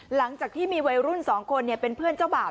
หลังจากที่มีวัยรุ่น๒คนเป็นเพื่อนเจ้าบ่าว